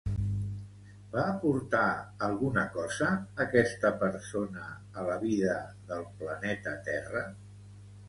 Va aportar alguna cosa aquesta persona a la vida del Planeta Terra?